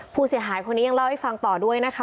ผู้เสียหายคนนี้ยังเล่าให้ฟังต่อด้วยนะคะ